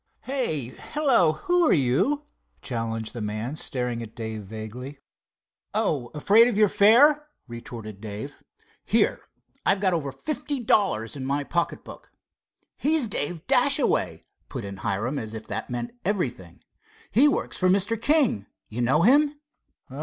"Hey, hello, who are you?" challenged the men, staring at Dave vaguely. "Oh, afraid of your fare?" retorted Dave. "Here, I've got over fifty dollars in my pocket book." "He's Dave Dashaway," put in Hiram, as if that meant everything. "He works for Mr. King—you know him?"